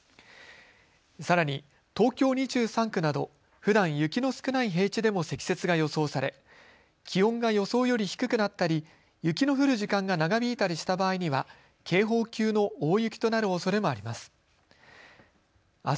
さらに東京２３区などふだん雪の少ない平地でも積雪が予想され気温が予想より低くなったり雪の降る時間が長引いたりした場合には警報級の大雪となるおそれもあります。